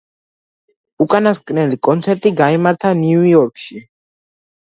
უკანასკნელი კონცერტი გაიმართა ნიუ-იორკში.